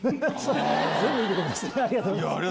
ありがとうございます。